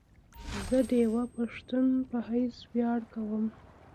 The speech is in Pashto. زه ديوه پښتون په حيث وياړ کوم